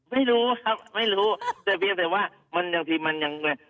ไม่รู้ครับไม่รู้แต่เพียงแต่ว่ามันบางทีมันยังแบบ